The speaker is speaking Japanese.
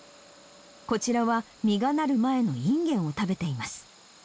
こちらは実がなる前のインゲンを食べています。